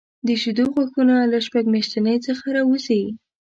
د شېدو غاښونه له شپږ میاشتنۍ څخه راوځي.